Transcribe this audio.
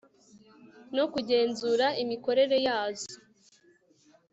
no kugenzura imikorere yazo